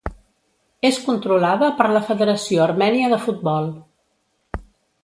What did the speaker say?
És controlada per la Federació Armènia de Futbol.